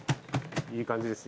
いい感じです。